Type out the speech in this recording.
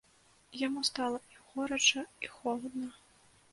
Яму стала і горача і холадна.